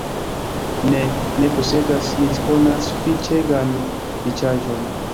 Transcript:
Ne, ne posedas, mi disponas sufiĉegan riĉaĵon.